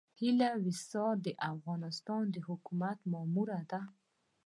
هيله ويسا د افغانستان د حکومت ماموره ده.